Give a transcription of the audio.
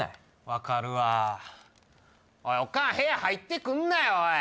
分かるわおいおかん部屋入ってくんなよおい